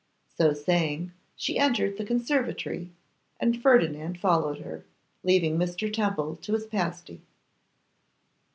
So saying, she entered the conservatory, and Ferdinand followed her, leaving Mr. Temple to his pasty.